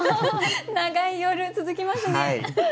長い夜続きますね。